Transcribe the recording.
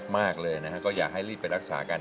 มากเลยนะฮะก็อยากให้รีบไปรักษากัน